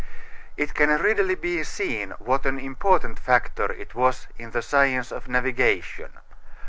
It can readily be seen what an important factor it was in the science of navigation.